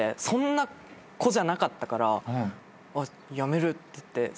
そんな子じゃなかったからやめるって。